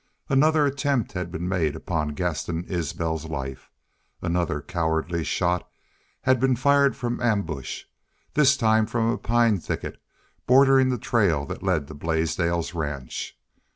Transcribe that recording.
Another attempt had been made upon Gaston Isbel's life. Another cowardly shot had been fired from ambush, this time from a pine thicket bordering the trail that led to Blaisdell's ranch.